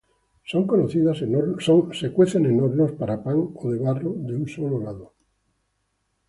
Son cocidas en hornos para pan o de barro de un solo lado.